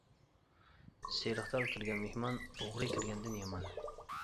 سېرىقتال كىرگەن مېھمان، ئوغرى كىرگەندىن يامان.